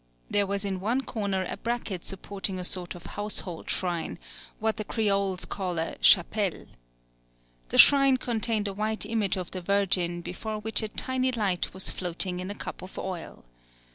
There was in one corner a bracket supporting a sort of household shrine what the Creoles call a chapelle. The shrine contained a white image of the Virgin before which a tiny light was floating in a cup of oil.